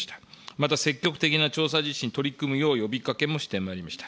また積極的な調査実施に取り組むよう呼びかけもしてまいりました。